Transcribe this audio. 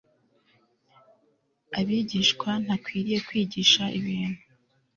abigishwa ntakwiriye kwigisha ibintu